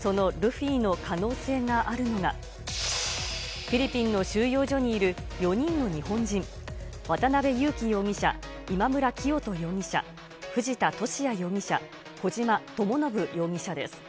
そのルフィの可能性があるのが、フィリピンの収容所にいる４人の日本人、渡辺優樹容疑者、今村磨人容疑者、藤田聖也容疑者、小島智信容疑者です。